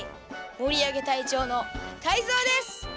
もりあげたいちょうのタイゾウです！